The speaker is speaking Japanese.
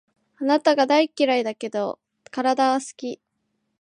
あなたが大嫌いだけど、体は好き